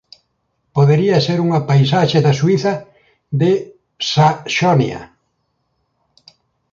Podería ser unha paisaxe da Suíza de Saxonia.